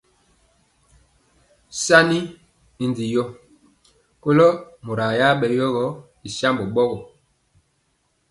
Sanni y ndi yɔ kolo mora ya bɛ yogɔ y sambɔ bɔɔgɔ.